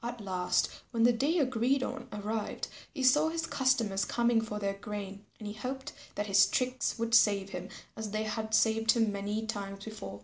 At last when the day agreed on arrived, he saw his customers coming for their grain. And he hoped that his tricks would save him as they had saved him many times before.